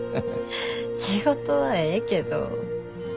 仕事はええけど。